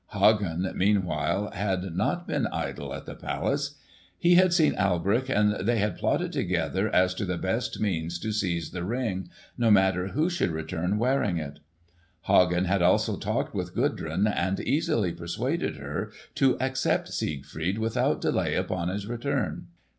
Hagen, meanwhile, had not been idle at the palace. He had seen Alberich and they had plotted together as to the best means to seize the Ring, no matter who should return wearing it. Hagen had also talked with Gudrun and easily persuaded her to accept Siegfried without delay upon his return.